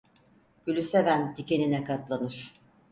Gülü seven dikenine katlanır.